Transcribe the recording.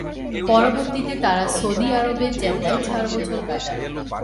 পরবর্তীতে তারা সৌদি আরবের জেদ্দায় চার বছর কাটান।